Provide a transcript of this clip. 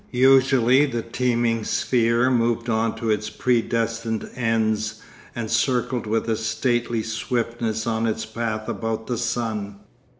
Usually the teeming sphere moved on to its predestined ends and circled with a stately swiftness on its path about the sun.